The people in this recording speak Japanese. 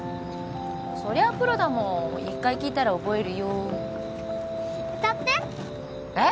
そりゃプロだもん１回聴いたら覚えるよ歌ってえっ！